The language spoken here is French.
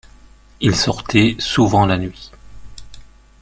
Il sortait souvent la nuit.